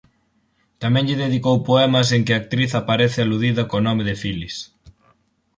Tamén lle dedicou poemas en que a actriz aparece aludida co nome de "Filis".